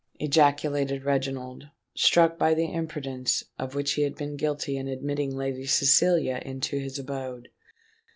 ejaculated Reginald, struck by the imprudence of which he had been guilty in admitting Lady Cecilia into his abode.